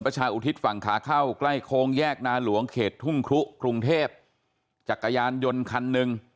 อุทิศฝั่งขาเข้าใกล้โค้งแยกนาหลวงเขตทุ่งครุกรุงเทพจักรยานยนต์คันหนึ่ง